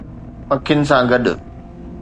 پکين سان گڏ